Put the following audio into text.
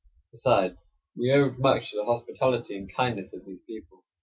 Besides, we owed much to the hospitality and kindness of these people.